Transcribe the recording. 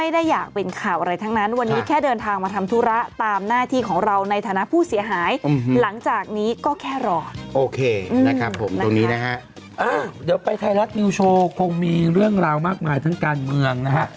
เดี๋ยวไปไทยรัฐนิวโชว์คงมีเรื่องราวมากมายทั้งการเมืองนะฮะ